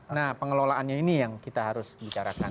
nah pengelolaannya ini yang kita harus bicarakan